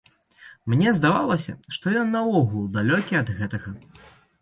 Мне здавалася, што ён наогул далёкі ад гэтага.